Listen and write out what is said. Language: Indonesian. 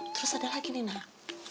terus ada lagi nih nak